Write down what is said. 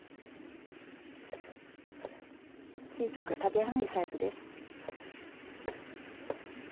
小さく食べやすいサイズです。